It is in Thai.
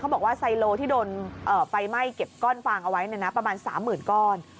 บอกว่าไซโลที่โดนไฟไหม้เก็บก้อนฟางเอาไว้ประมาณ๓๐๐๐ก้อน